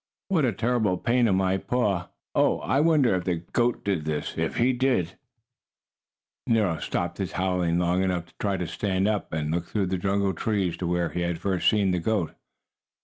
"What a terrible pain in my paw! Oh, I wonder if the goat did this! If he did " Nero stopped his howling long enough to try to stand up and look through the jungle trees to where he had first seen the goat.